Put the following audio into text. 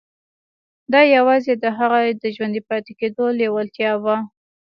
دا يوازې د هغه د ژوندي پاتې کېدو لېوالتیا وه.